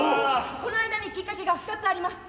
この間にきっかけが２つあります。